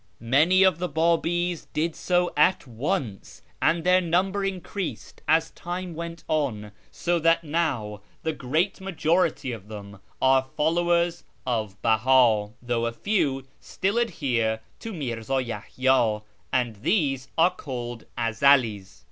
Many of the Babis did so at once, and their number increased as time went on, so that now the great majority of them are followers of Beha, though a few still adhere to Mirza Yahya, and these are called Ezelis.